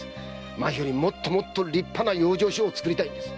まえよりもっともっと立派な養生所を作りたい。